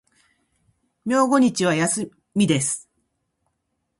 明後日は、休みです。